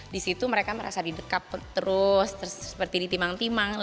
di situ mereka merasa didekat terus seperti ditimang timang